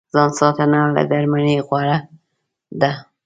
ځان ساتنه له درملنې غوره ده.